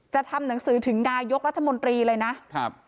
ทำหนังสือถึงนายกรัฐมนตรีเลยนะครับ